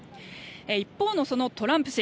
一方のトランプ氏